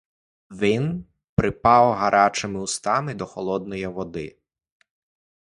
Він припав гарячими устами до холодної води.